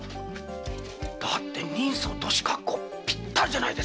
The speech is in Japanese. だって人相・年格好ぴったりじゃないですか。